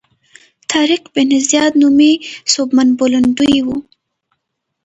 طارق بن زیاد نومي سوبمن بولندوی و.